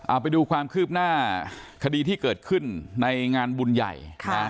เอาไปดูความคืบหน้าคดีที่เกิดขึ้นในงานบุญใหญ่นะ